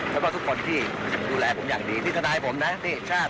แล้วก็ทุกคนที่ดูแลผมอย่างดีที่ทนายผมนะที่ชาติ